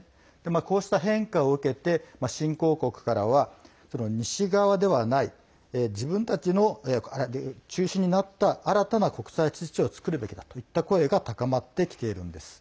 こうした変化を受けて新興国からは西側ではない自分たちが中心になった新たな国際秩序を作るべきだといった声が高まってきているんです。